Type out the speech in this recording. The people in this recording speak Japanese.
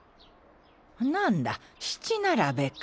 何だ七並べか。